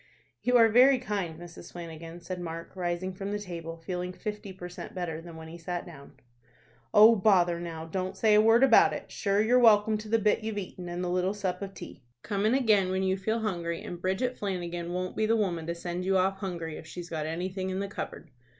"You are very kind, Mrs. Flanagan," said Mark, rising from the table, feeling fifty per cent. better than when he sat down. "Oh bother now, don't say a word about it! Shure you're welcome to the bit you've eaten, and the little sup of tea. Come in again when you feel hungry and Bridget Flanagan won't be the woman to send you off hungry if she's got anything in the cupboard."